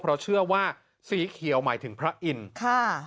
เพราะเชื่อว่าสีเขียวหมายถึงพระอินทร์ค่ะ